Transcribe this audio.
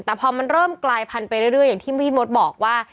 แต่พอมันเริ่มกลายพันธุไปเรื่อยอย่างที่พี่มดบอกว่า